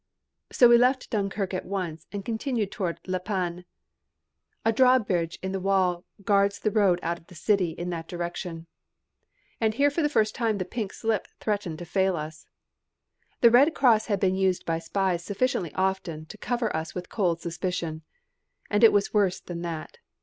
So we left Dunkirk at once and continued toward La Panne. A drawbridge in the wall guards the road out of the city in that direction. And here for the first time the pink slip threatened to fail us. The Red Cross had been used by spies sufficiently often to cover us with cold suspicion. And it was worse than that.